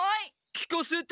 聞かせて。